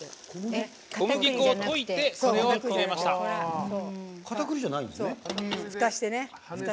小麦粉を溶いてそれを入れました。